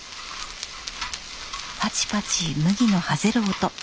パチパチ麦のはぜる音。